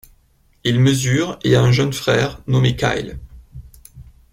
Il mesure et a un jeune frère nommé Kyle.